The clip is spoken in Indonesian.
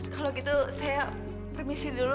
kalau gitu saya permisi dulu